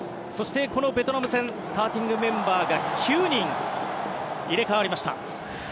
そして、このベトナム戦スターティングメンバーが９人入れ替わりました。